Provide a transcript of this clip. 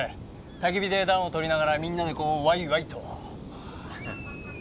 たき火で暖をとりながらみんなでこうわいわいと。